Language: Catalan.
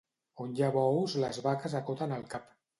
On hi ha bous les vaques acoten el cap.